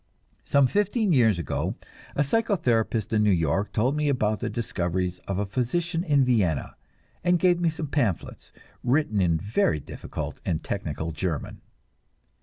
Some fifteen years ago a psychotherapist in New York told me about the discoveries of a physician in Vienna, and gave me some pamphlets, written in very difficult and technical German.